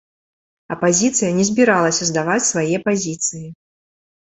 Апазіцыя не збіралася здаваць свае пазіцыі.